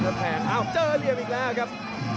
อ้าก็เป็นพันธ์เขียวชิ้นทำก่อนครับ